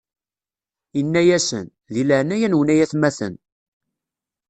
Inna-yasen: Di leɛnaya-nwen, ay atmaten!